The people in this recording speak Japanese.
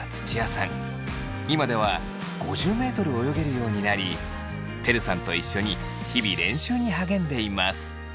今では５０ｍ泳げるようになりてるさんと一緒に日々練習に励んでいます。